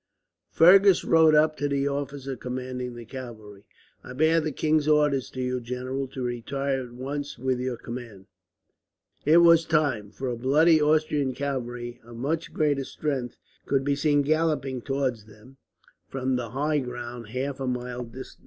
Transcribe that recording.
Fergus rode up to the officer commanding the cavalry. "I bear the king's orders to you, general, to retire at once with your command." It was time, for a body of Austrian cavalry, of much greater strength, could be seen galloping towards them from the high ground half a mile distant.